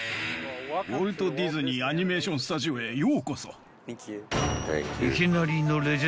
［ここウォルト・ディズニー・アニメーション・スタジオには］